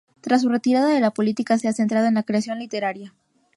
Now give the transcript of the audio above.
Tras su retirada de la política, se ha centrado en la creación literaria.